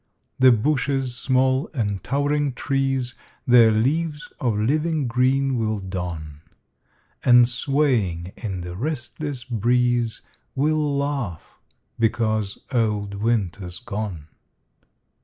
The bushes small and towering trees Their leaves of living green will don, And, swaying in the restless breeze, Will laugh because old Winter's gone.